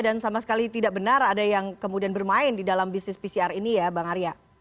dan sama sekali tidak benar ada yang kemudian bermain di dalam bisnis pcr ini ya bang arya